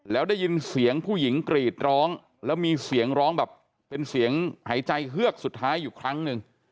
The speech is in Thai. แล้วได้ยินเสียงผู้หญิงกรีดร้องแล้วมีเสียงร้องแบบเป็นเสียงหายใจเฮือกสุดท้ายอยู่ครั้งหนึ่ง